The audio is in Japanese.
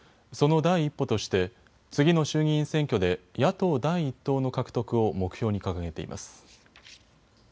その第一歩として次の衆議院選挙で野党第１党の獲得を目標に掲げています。